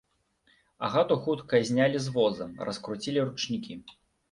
Агату хутка знялі з воза, раскруцілі ручнікі.